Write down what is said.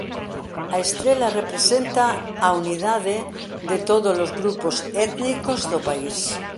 A estrela representa a unidade de tódolos grupos étnicos do país.